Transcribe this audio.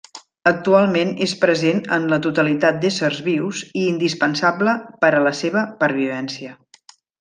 Actualment és present en la totalitat d'éssers vius i indispensable per a la seva pervivència.